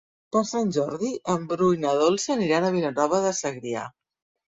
Per Sant Jordi en Bru i na Dolça aniran a Vilanova de Segrià.